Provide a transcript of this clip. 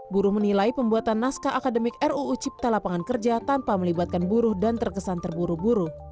buruh menilai pembuatan naskah akademik ruu cipta lapangan kerja tanpa melibatkan buruh dan terkesan terburu buru